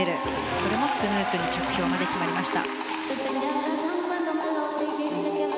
これもスムーズに着氷まで決まりました。